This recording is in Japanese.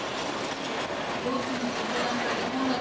よくもこの段階でこんなことを。